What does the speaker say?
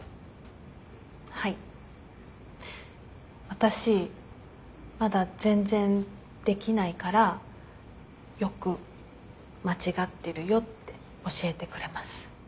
私まだ全然できないからよく「間違ってるよ」って教えてくれます。